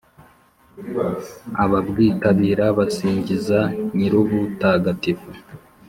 Ababwitabira basingiza Nyir’ubutagatifu,